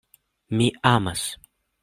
Mi amas!